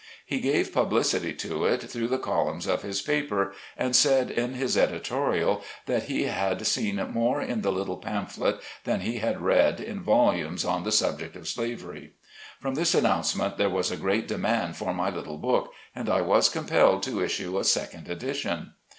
He gave publicity to it through the columns of his paper, and said in his editorial, that he "had seen more in the little pamphlet, than he had read in volumes on the sub ject of slavery." From this announcement there was a great demand for my little book, and I was compelled to issue a second edition.